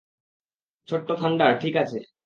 ছোট্ট থান্ডার ঠিক আছে।